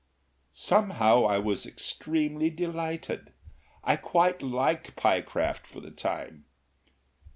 Somehow I was extremely delighted. I quite liked Pyecraft for the time.